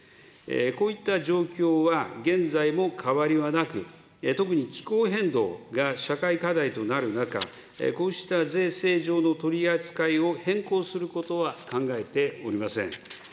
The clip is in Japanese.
こういった状況は現在も変わりはなく、特に気候変動が社会課題となる中、こうした税制上の取り扱いを変更することは考えておりません。